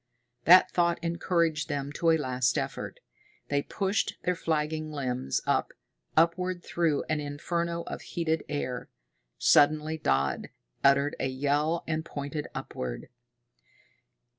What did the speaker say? That thought encouraged them to a last effort. They pushed their flagging limbs up, upward through an inferno of heated air. Suddenly Dodd uttered a yell and pointed upward.